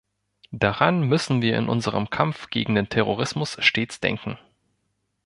Daran müssen wir in unserem Kampf gegen den Terrorismus stets denken.